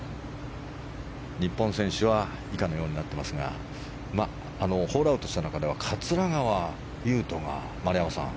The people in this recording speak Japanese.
日本選手は以下のようになってますがホールアウトした中では桂川有人が丸山さん